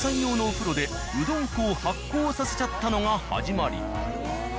用のお風呂でうどん粉を発酵させちゃったのが始まり。